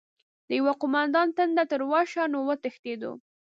د يوه قوماندان ټنډه تروه شوه: نو وتښتو؟!